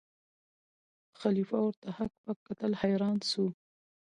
خلیفه ورته هک پک کتل حیران سو